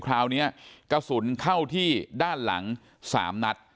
คราวนี้กระสุนเข้าที่ด้านหลัง๓นัด